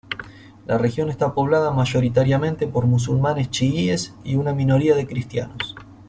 La región está poblada mayoritariamente por musulmanes chiíes y una minoría de cristianos.